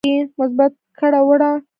مثبت کړه وړه